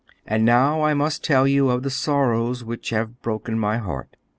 And now I must tell you of the sorrows which have broken my heart.